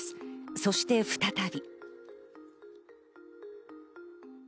そして再び。